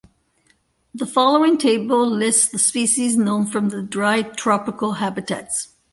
The following table lists the species known from the dry tropical habitats.